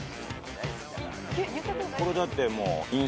これだってもう。